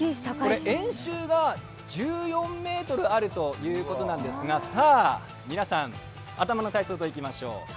円周が１４ｍあるということなんですが、皆さん、頭の体操といきましょう。